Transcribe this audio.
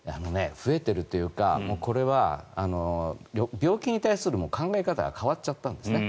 増えているというかこれは病気に対する考え方が変わっちゃったんですね。